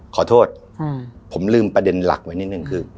ขอโทษผมลืมประเด็นหลักไว้นิดนึงคือ